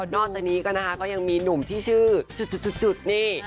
นอกจากนี้ก็นะคะก็ยังมีหนุ่มที่ชื่อจุดนี่